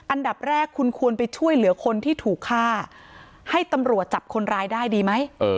อันดับแรกคุณควรไปช่วยเหลือคนที่ถูกฆ่าให้ตำรวจจับคนร้ายได้ดีไหม